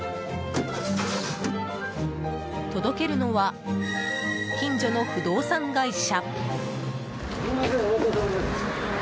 届けるのは近所の不動産会社。